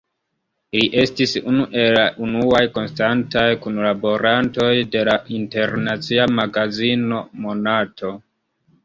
Li estis unu el la unuaj konstantaj kunlaborantoj de la internacia magazino "Monato".